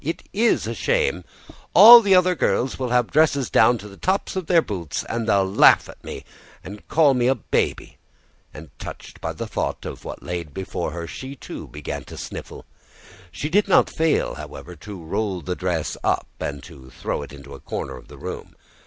"It IS a shame. All the other girls will have dresses down to the tops of their boots, and they'll laugh at me, and call me a [P.4] baby;" and touched by the thought of what lay before her, she, too, began to sniffle. She did not fail, however, to roll the dress up and to throw it unto a corner of the room.